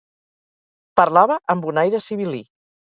Parlava amb un aire sibil·lí.